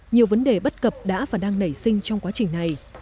nhiều vấn đề bất cập đã và đang nảy sinh trong quá trình này